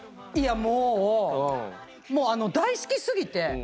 いやもうもう大好きすぎて。